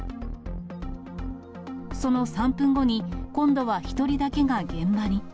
その３分後に、今度は１人だけが現場に。